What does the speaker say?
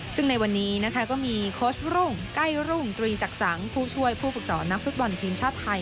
ซึ่งในวันนี้นะคะก็มีโค้ชรุ่งใกล้รุ่งตรีจักษังผู้ช่วยผู้ฝึกสอนนักฟุตบอลทีมชาติไทย